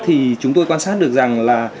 thì chúng tôi quan sát được rằng là